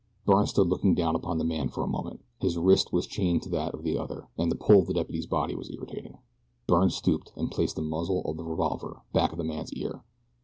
Byrne stood looking down upon the man for a moment. His wrist was chained to that of the other, and the pull of the deputy's body was irritating. Byrne stooped and placed the muzzle of the revolver back of the man's ear.